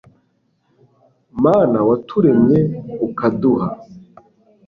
mana waturemye ukaduha